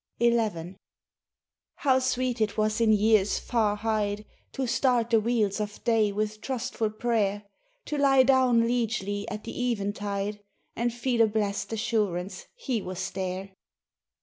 XI "How sweet it was in years far hied To start the wheels of day with trustful prayer, To lie down liegely at the eventide And feel a blest assurance he was there!